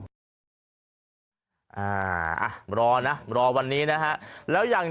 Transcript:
ท่านพรุ่งนี้ไม่แน่ครับ